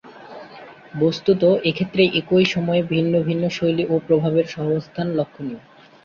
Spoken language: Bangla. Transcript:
বস্ত্তত, এক্ষেত্রে একই সময়ে ভিন্ন ভিন্ন শৈলী ও প্রভাবের সহাবস্থান লক্ষণীয়।